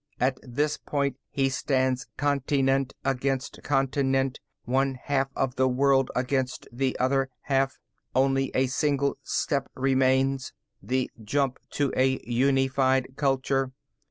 At this point he stands continent against continent, one half of the world against the other half. Only a single step remains, the jump to a unified culture.